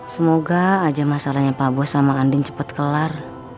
semoga aja masalahnya pak bos sama andin cepat kelar